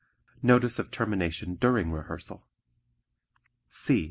Notice of Termination During Rehearsal C.